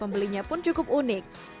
pembelinya pun cukup unik